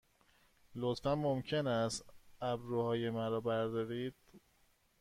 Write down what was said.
لطفاً ممکن است ابروهای مرا بردارید؟